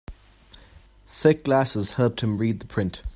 Thick glasses helped him read the print.